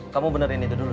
kamu benerin itu dulu